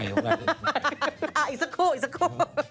อีกสักคู่